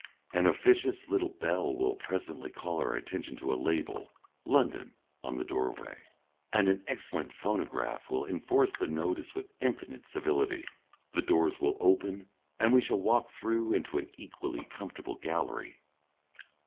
An officious little bell will presently call our attention to a label "London" on the doorway, and an excellent phonograph will enforce that notice with infinite civility. The doors will open, and we shall walk through into an equally comfortable gallery.